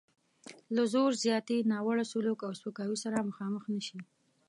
له زور زیاتي، ناوړه سلوک او سپکاوي سره مخامخ نه شي.